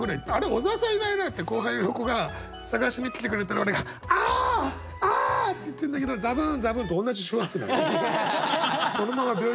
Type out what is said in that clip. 小沢さんいないな」って後輩の子が捜しに来てくれたら俺が「あ！あ！」って言ってんだけどザブーンザブーンと同じ周波数なの。